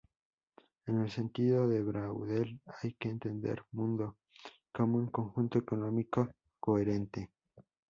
En el sentido de Braudel, hay que entender "mundo" como un conjunto económico coherente.